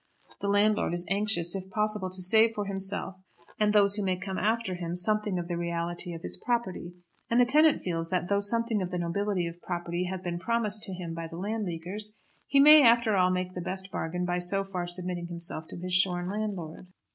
The landlord is anxious if possible to save for himself and those who may come after him something of the reality of his property, and the tenant feels that, though something of the nobility of property has been promised to him by the Landleaguers, he may after all make the best bargain by so far submitting himself to his shorn landlord.